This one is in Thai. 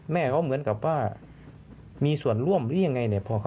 แม่เขาเหมือนกับว่ามีส่วนร่วมหรือยังไงเนี่ย